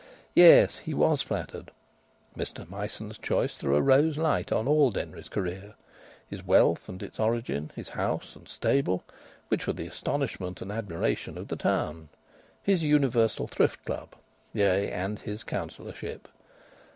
Yes, he was flattered. Mr Myson's choice threw a rose light on all Denry's career: his wealth and its origin; his house and stable, which were the astonishment and the admiration of the town; his Universal Thrift Club; yea, and his councillorship!